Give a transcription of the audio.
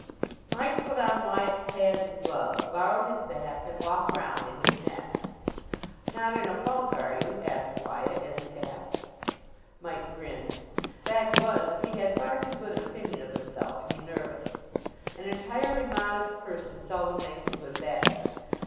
Mike put on Wyatt's pads and gloves, borrowed his bat, and walked round into the net. "Not in a funk, are you?" asked Wyatt, as he passed. Mike grinned. The fact was that he had far too good an opinion of himself to be nervous. An entirely modest person seldom makes a good batsman.